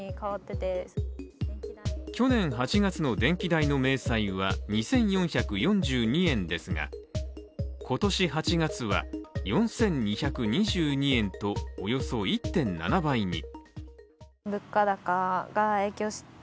去年８月の電気代の明細は２４４２円ですが今年８月は４２２２円とおよそ１．７倍に。